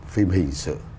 phim hình sự